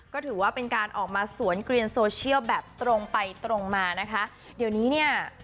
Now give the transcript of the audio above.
ก็ถือว่าเป็นการออกมาสวนเกลียนโซเชียลแบบตรงไปตรงมานะคะเดี๋ยวนี้เนี่ย